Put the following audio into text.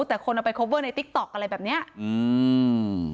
แต่คนเอาไปโคเวอร์ในติ๊กต๊อกอะไรแบบเนี้ยอืม